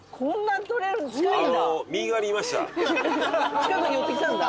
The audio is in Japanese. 近くに寄ってきたんだ。